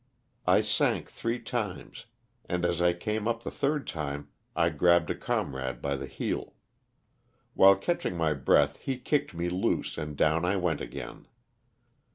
'* I sank three times, and as I came up the third time I grabbed a comrade by the heel. While catching my breath he kicked me loose and down I went again.